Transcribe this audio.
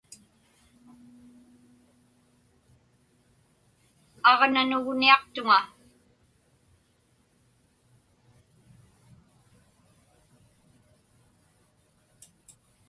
Aġnanugniaqtuŋa.